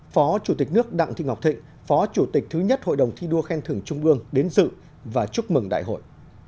phó chủ tịch nước đặng thị ngọc thịnh phó chủ tịch thứ nhất hội đồng thi đua khen thưởng trung ương đến dự và chúc mừng đại hội